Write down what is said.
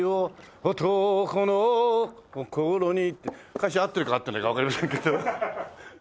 歌詞合ってるか合ってないかわかりませんけど。